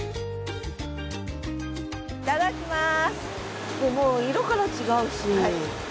いただきます。